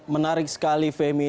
menarik sekali femi